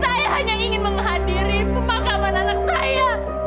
saya hanya ingin menghadiri pemakaman anak saya